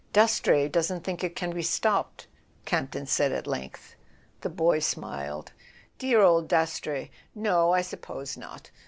"Dastrey doesn't think it can be stopped," Camp ton said at length. The boy smiled. "Dear old Dastrey! No, I suppose not.